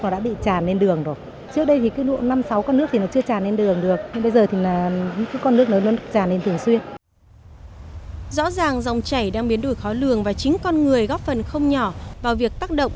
rõ ràng dòng chảy đang biến đổi khó lường và chính con người góp phần không nhỏ vào việc tác động